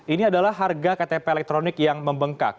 ini adalah harga ktp elektronik yang membengkak